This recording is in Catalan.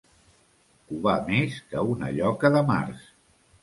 Covar més que una lloca de març.